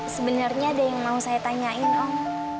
sebenarnya ada yang mau saya tanyain om